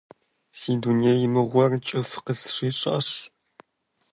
Си дуней мыгъуэр кӀыфӀ къысщищӀащ…